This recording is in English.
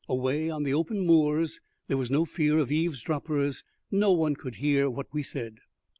Away on the open moors there was no fear of eavesdroppers; no one could hear what we said.